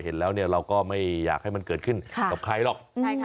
เห็นแล้วเนี่ยเราก็ไม่อยากให้มันเกิดขึ้นกับใครหรอก